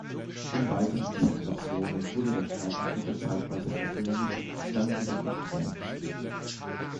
In weiteren Disputationen wurde der Streit mit Luther zeitweise versöhnlich, dann wieder kontrovers geführt.